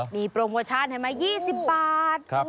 มีโปรงประชาติให้มา๒๐บาท